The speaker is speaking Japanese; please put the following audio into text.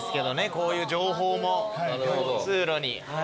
こういう情報も通路に。